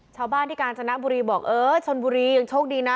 ชาวบ้านที่กาญจนบุรีบอกเออชนบุรียังโชคดีนะ